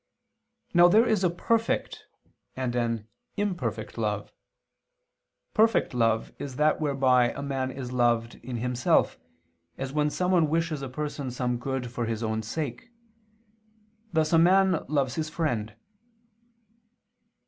Now there is a perfect, and an imperfect love. Perfect love is that whereby a man is loved in himself, as when someone wishes a person some good for his own sake; thus a man loves his friend.